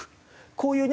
こういうね